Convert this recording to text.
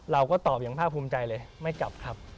เราก็ตอบอย่างภาคภูมิใจเลยไม่กลับครับ